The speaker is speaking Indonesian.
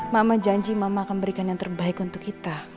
mama janji mama akan memberikan yang terbaik untuk kita